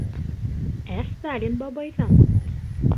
Ә Сталин бабайҙан.